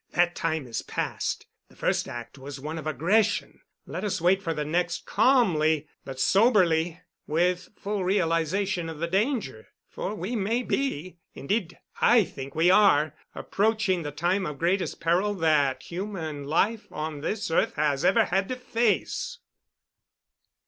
That time is past. The first act was one of aggression. Let us wait for the next calmly but soberly, with full realization of the danger. For we may be indeed, I think we are approaching the time of greatest peril that human life on this earth has ever had to face!"